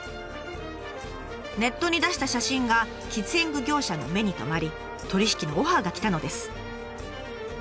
ネットに出した写真が喫煙具業者の目に留まり取り引きのオファーが来たのです。